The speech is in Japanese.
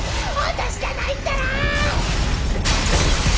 私じゃないったら！